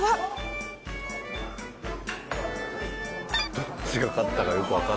どっちが勝ったかよくわかんないな。